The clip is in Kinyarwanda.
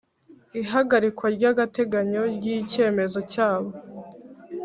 Ihagarikwa ry agateganyo ry icyemezo cyabo